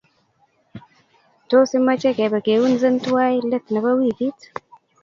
tos imache kepenpikeunze tuay let Nepo wikit